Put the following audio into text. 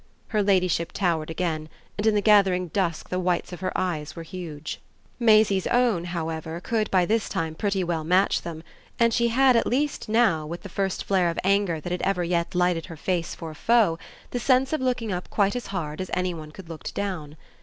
Her ladyship towered again, and in the gathering dusk the whites of her eyes were huge. Maisie's own, however, could by this time pretty well match them; and she had at least now, with the first flare of anger that had ever yet lighted her face for a foe, the sense of looking up quite as hard as any one could look down.